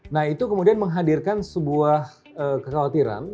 nah itu kemudian menghadirkan sebuah kekhawatiran